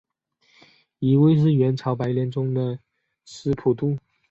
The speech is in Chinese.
一位是元朝白莲宗的释普度。